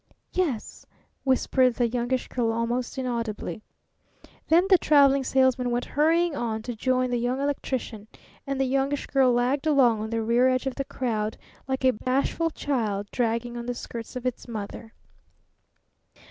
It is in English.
"Y e s," whispered the Youngish Girl almost inaudibly. Then the Traveling Salesman went hurrying on to join the Young Electrician, and the Youngish Girl lagged along on the rear edge of the crowd like a bashful child dragging on the skirts of its mother.